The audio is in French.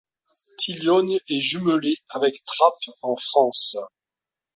Thilogne est jumelé avec Trappes en France.